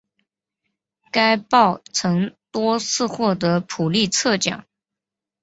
该报曾多次获得普利策奖。